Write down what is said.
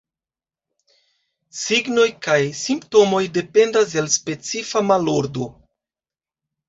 Signoj kaj simptomoj dependas el specifa malordo.